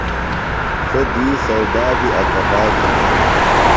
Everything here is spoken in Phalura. سوۡ دُئی سودا بیۡ اکٹا گِھنانوۡ۔